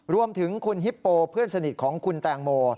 รวมถึงคุณฮิปโปเพื่อนสนิทของคุณแตงโม